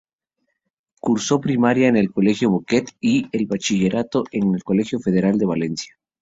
Cursó primaria en el Colegio Bouquet y bachillerato en el Colegio Federal de Valencia.